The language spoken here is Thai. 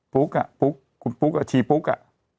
ปุ๊กอ่ะคุณปุ๊กชีปุ๊กอ่ะ